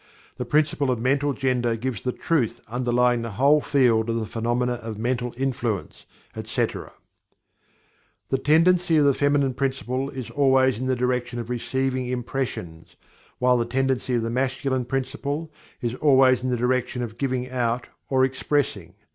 The principle of Mental Gender gives the truth underlying the whole field of the phenomena of mental influence, etc. The tendency of the Feminine Principle is always in the direction of receiving impressions, while the tendency of the Masculine Principle is always in the direction of giving, out or expressing.